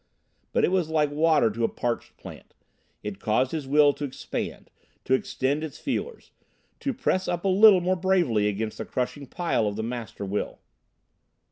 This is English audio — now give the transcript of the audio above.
But it was like water to a parched plant. It caused his will to expand, to extend its feelers, to press up a little more bravely against the crushing pile of the Master Will.